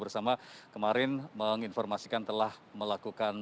bersama kemarin menginformasikan telah melakukan